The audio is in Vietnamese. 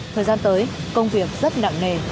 thời gian tới công việc rất nặng nề